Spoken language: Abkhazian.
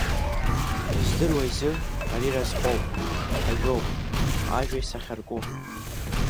Издыруа изы, ари разҟуп, ажәоуп, ажәа исахьарку.